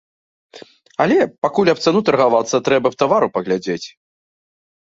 Але, пакуль аб цану таргавацца, трэба б тавару паглядзець.